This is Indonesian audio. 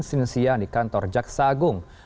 sinisian di kantor jaksagung